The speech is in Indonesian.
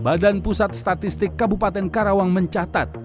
badan pusat statistik kabupaten karawang mencatat